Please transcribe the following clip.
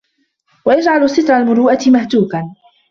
وَيَجْعَلُ سِتْرَ الْمُرُوءَةِ مَهْتُوكًا